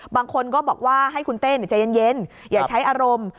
บางคนก็บอกว่าให้คุณเต้ใจเย็นอย่าใช้อารมณ์